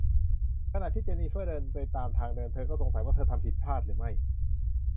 ขณะที่เจนนิเฟอร์เดินไปตามทางเดิน เธอก็สงสัยว่าเธอทำผิดพลาดหรือไม่